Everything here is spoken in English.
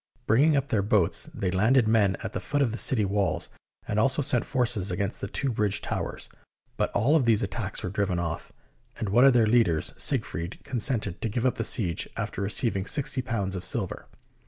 Bringing up their boats, they landed men at the foot of the city walls, and also sent forces against the two bridge towers; but all of these at tacks were driven off, and one of their leaders, Sieg fried, consented to give up the siege, after receiving sixty pounds of silver.